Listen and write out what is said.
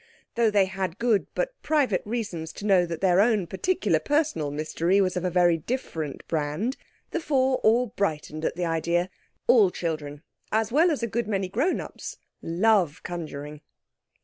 Though they had good, but private reasons to know that their own particular personal mystery was of a very different brand, the four all brightened at the idea. All children, as well as a good many grown ups, love conjuring.